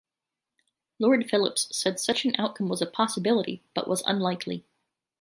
Lord Phillips said such an outcome was "a possibility", but was "unlikely".